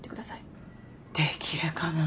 できるかな。